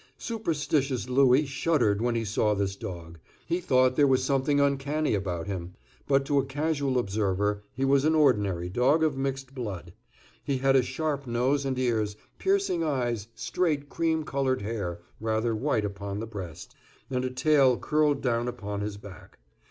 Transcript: Superstitious Louis shuddered when he saw this dog. He thought there was something uncanny about him; but to a casual observer he was an ordinary dog of mixed blood. He had a sharp nose and ears, piercing eyes, straight, cream colored hair rather white upon the breast, and a tail curled down upon his back.